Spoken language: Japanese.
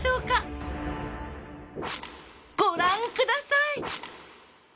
ご覧ください。